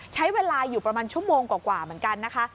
ใช้เวลาอยู่ประมาณชั่วโมงกว่าเหมือนกันนะคะ